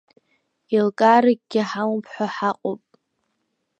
Еилкааракгьы ҳамоуп ҳәа ҳаҟоуп…